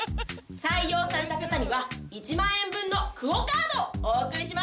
採用された方には１万円分のＱＵＯカードお送りします。